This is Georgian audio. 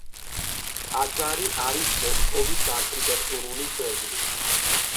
ტაძარი არის მოსკოვის არქიტექტურული ძეგლი.